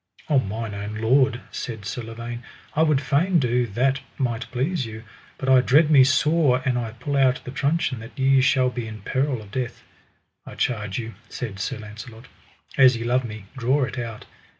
O mine own lord, said Sir Lavaine, I would fain do that might please you, but I dread me sore an I pull out the truncheon that ye shall be in peril of death. I charge you, said Sir Launcelot, as ye love me, draw it out.